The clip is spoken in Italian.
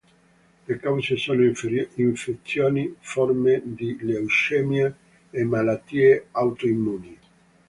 Le cause sono infezioni, forme di leucemia e malattie autoimmuni.